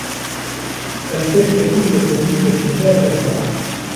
ألفيت كلّ تميمة لا تنفع